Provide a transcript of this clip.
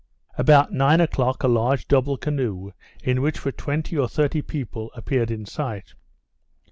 About nine o'clock, a large double canoe, in which were twenty or thirty people, appeared in sight.